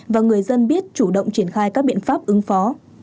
và người dân biết chủ động triển khai các biện pháp ứng phó